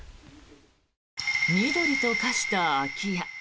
緑と化した空き家。